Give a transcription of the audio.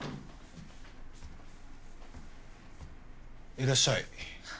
いらっしゃい。